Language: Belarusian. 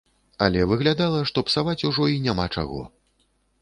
Але выглядала, што псаваць ужо і няма чаго.